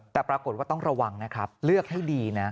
แต่ปรากฏว่าต้องระวังนะครับเลือกให้ดีนะ